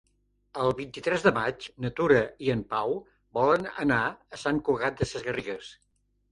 El vint-i-tres de maig na Tura i en Pau volen anar a Sant Cugat Sesgarrigues.